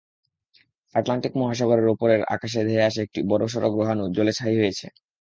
Atlantic মহাসাগরের ওপরের আকাশে ধেয়ে আসা একটি বড়সড় গ্রহাণু জ্বলে ছাই হয়েছে।